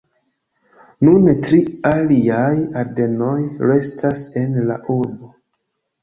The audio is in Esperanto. Nune tri aliaj ordenoj restas en la urbo.